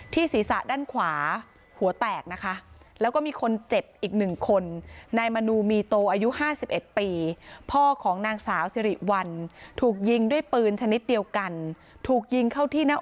ที่ศีรษะด้านขวาหัวแตกนะคะแล้วก็มีคนเจ็บอีกหนึ่งคน